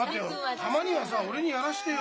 たまにはさ俺にやらしてよ。